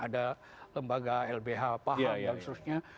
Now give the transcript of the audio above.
ada lembaga lbh paham dan seterusnya